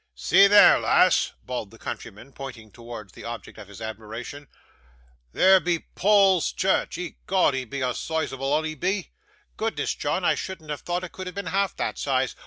'See there, lass!' bawled the countryman, pointing towards the object of his admiration. 'There be Paul's Church. 'Ecod, he be a soizable 'un, he be.' 'Goodness, John! I shouldn't have thought it could have been half the size.